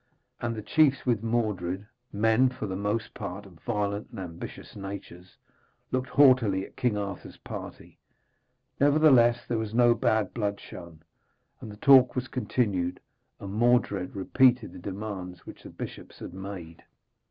And the chiefs with Mordred, men for the most part of violent and ambitious natures, looked haughtily at King Arthur's party. Nevertheless, there was no bad blood shown, and the talk was continued, and Mordred repeated the demands which the bishops had made.